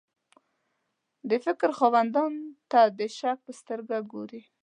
د فکر خاوندانو ته د شک په سترګه وګوري.